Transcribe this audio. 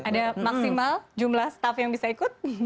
ada maksimal jumlah staff yang bisa ikut